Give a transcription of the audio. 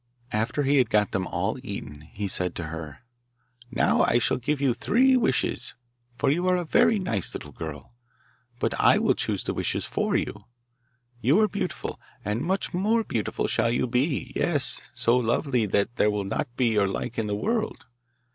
After he had got them all eaten he said to her: 'Now, I shall give you three wishes, for you are a very nice little girl; but I will choose the wishes for you. You are beautiful, and much more beautiful shall you be; yes, so lovely that there will not be your like in the world.